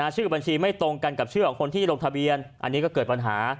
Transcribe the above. ชื่อบัญชีไม่ตรงกันกับชื่อของคนที่ลงทะเบียนอันนี้ก็เกิดปัญหา